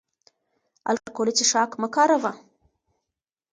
الکولي څښاک مه کاروه